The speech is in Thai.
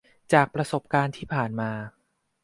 จากประสบการณ์ที่ผ่านมา